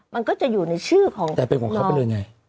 มันก็จะอยู่ในชื่อของแต่เป็นของเค้าเป็นอย่างไร